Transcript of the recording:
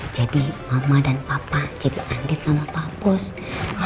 jadi mama dan papa jadi andik sama pak boss